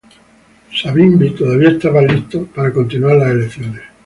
Savimbi todavía estaba listo para continuar las elecciones.